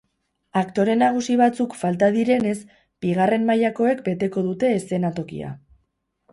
Aktore nagusi batzuk falta direnez, bigarren mailakoek beteko dute eszenatokia.